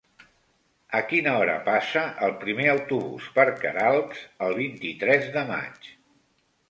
A quina hora passa el primer autobús per Queralbs el vint-i-tres de maig?